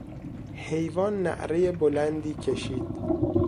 حیوان نعرهی بلندی کشید.